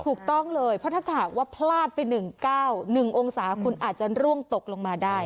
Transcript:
ถูกต้องเลยเพราะถ้าหากว่าพลาดไป๑๙๑องศาคุณอาจจะร่วงตกลงมาได้